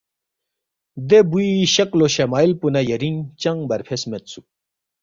دے بُوی شکل وشمائل پو نہ یرینگ چنگ برفیس میدسُوک